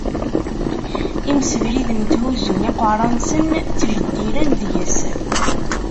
Imsebriden tthuzzun iqerra-nsen, ttjeddiren deg-s.